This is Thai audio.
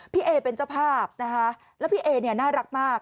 พี่เอเป็นเจ้าภาพนะคะแล้วพี่เอเนี่ยน่ารักมาก